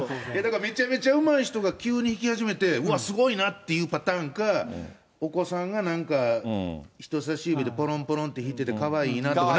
めちゃめちゃうまい人が急に弾き始めて、うわっ、すごいなっていうパターンか、お子さんがなんか、人さし指でぽろんぽろんって弾いてて、なんかかわいいなって。